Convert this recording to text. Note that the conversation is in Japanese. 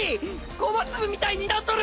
ごま粒みたいになっとる！